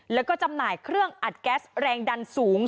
แล้วก็จำหน่ายเครื่องอัดแก๊สแรงดันสูง